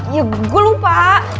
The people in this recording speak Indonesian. ya gua lupa